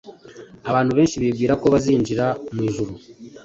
Abantu benshi bibwira ko bazinjira mwijuru